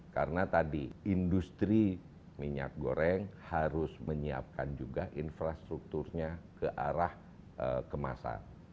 karena tadi industri minyak goreng harus menyiapkan juga infrastrukturnya ke arah kemasan